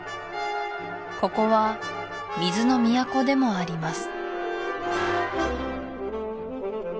ここは水の都でもあります